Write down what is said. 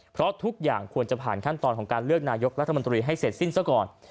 เพราะทุกอย่างควรจะผ่านขั้นตอนของการเลือกนายกรัฐมนตรีให้เสร็จสิ้นซะก่อน